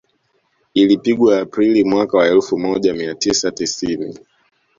Ilipigwa Aprili mwaka wa elfu moja mia tisa tisini